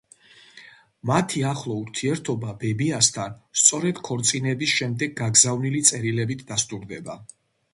მათი ახლო ურთიერთობა ბებიასთან სწორედ ქორწინების შემდეგ გაგზავნილი წერილებით დასტურდება.